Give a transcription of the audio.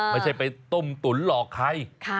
ไม่ใช่ไปต้มตุ๋นหลอกใคร